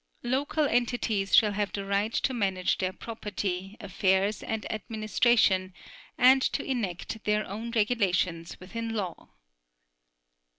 Local entities shall have the right to manage their property, affairs and administration and to enact their own regulations within law.